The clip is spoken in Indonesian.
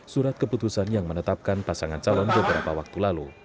surat keputusan yang menetapkan pasangan calon beberapa waktu lalu